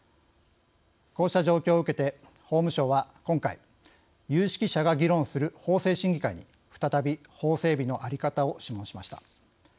こうした状況を受けて法務省は今回有識者が議論する法制審議会に再び法整備の在り方を諮問しました。